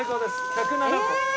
１０７個。